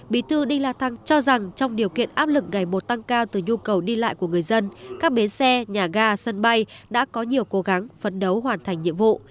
bí thư đinh la thăng cho rằng trong điều kiện áp lực ngày một tăng cao từ nhu cầu đi lại của người dân các bến xe nhà ga sân bay đã có nhiều cố gắng phấn đấu hoàn thành nhiệm vụ